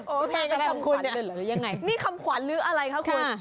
โอ้โหนี่คำขวัญหรืออะไรครับคุณ